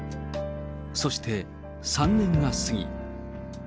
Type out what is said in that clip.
そして、３年が過ぎ。